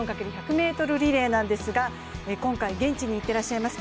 ４×１００ｍリレーなんですが、今回現地に行ってらっしゃいます